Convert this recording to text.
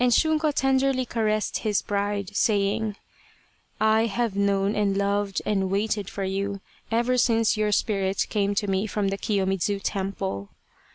And Shunko tenderly caressed his bride, saying :" I have known and loved and waited for you ever since your spirit came to me from the Kiyomidzu temple."